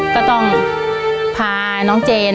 ก็ต้องผ่าน